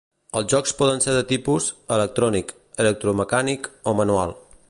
Els jocs poden ser de tipus: electrònic, electromecànic o manual.